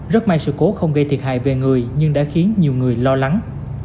rất may sự cố không gây thiệt hại về người nhưng đã khiến nhiều người lo lắng